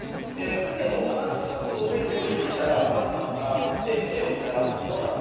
船と同じ速度で動いていたらお母さんから船を見たらどんなふうに見えるかな？